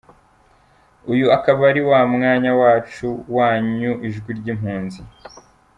Uyu ukaba ari wa mwanya wacu, wanyu, ijwi ry’impunzi.